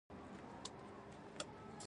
هغې لاندې و ختو ته وکتل، چې ډېر خپه معلومېدل.